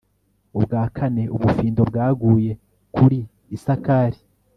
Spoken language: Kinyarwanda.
ubwa kane, ubufindo bwaguye kuri isakari